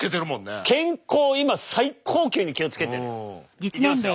健康は今最高級に気を付けてるよ。いきますよ。